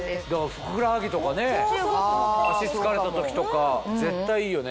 ふくらはぎとかね脚疲れた時とか絶対いいよね。